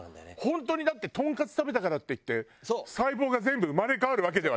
本当にだってトンカツ食べたからっていって細胞が全部生まれ変わるわけではないじゃん。